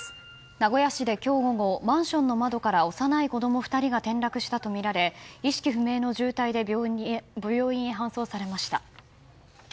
名古屋市で今日午後マンションの窓から幼い子供２人が転落したとみられ意識不明の重体で病院へ搬送されました。